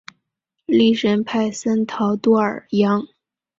利什派森陶多尔扬。